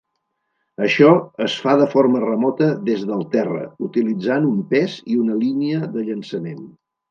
Això es fa de forma remota des del terra, utilitzant un pes i una línia de llançament.